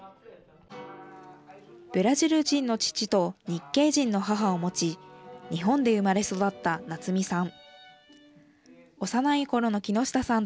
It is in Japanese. ブラジル人の父と日系人の母をもち日本で生まれ育った夏美さん。